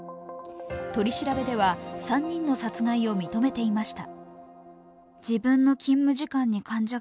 取り調べでは、３人の殺害を認めていました。